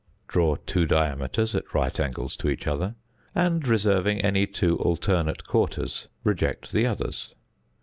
Draw two diameters at right angles to each other, and reserving any two alternate quarters, reject the others.